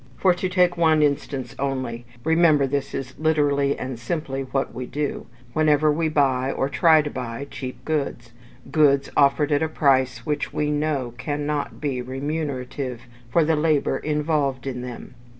For, to take one instance only, remember this is literally and simply what we do, whenever we buy, or try to buy, cheap goods goods offered at a price which we know cannot be remunerative for the labour involved in them.